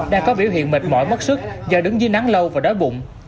đang có biểu hiện mệt mỏi mất sức do đứng dưới nắng lâu và đói bụng